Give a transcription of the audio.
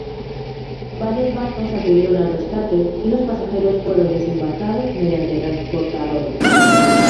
Varios barcos acudieron al rescate, y los pasajeros fueron desembarcados mediante transbordadores.